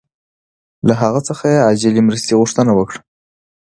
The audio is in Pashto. له هغه څخه یې عاجلې مرستې غوښتنه وکړه.